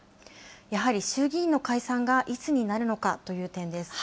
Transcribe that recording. やはり衆議院の解散がいつになるのかという点です。